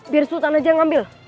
biar sultan aja yang ngambil